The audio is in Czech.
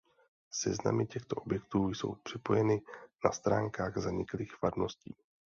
Seznamy těchto objektů jsou připojeny na stránkách zaniklých farností.